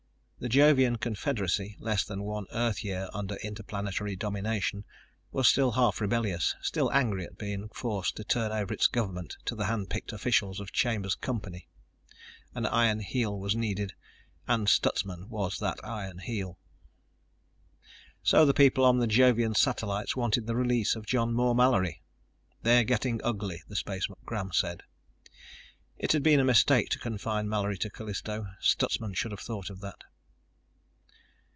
The Jovian confederacy, less than one Earth year under Interplanetary domination, was still half rebellious, still angry at being forced to turn over its government to the hand picked officials of Chambers' company. An iron heel was needed and Stutsman was that iron heel. So the people on the Jovian satellites wanted the release of John Moore Mallory. "They're getting ugly," the spacegram said. It had been a mistake to confine Mallory to Callisto. Stutsman should have thought of that.